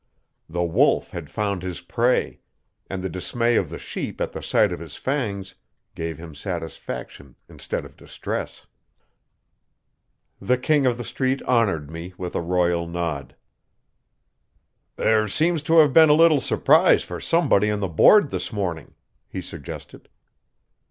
The Wolf had found his prey, and the dismay of the sheep at the sight of his fangs gave him satisfaction instead of distress. The King of the Street honored me with a royal nod. "There seems to have been a little surprise for somebody on the Board this morning," he suggested.